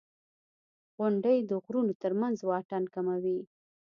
• غونډۍ د غرونو تر منځ واټن کموي.